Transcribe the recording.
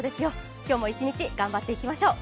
今日も一日頑張っていきましょう。